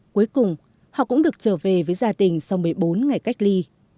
cuối cùng họ cũng được trở về với gia tình sau một mươi bốn ngày cách ly